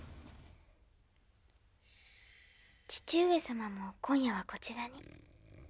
義父上様も今夜はこちらに。